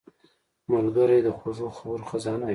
ملګری د خوږو خبرو خزانه وي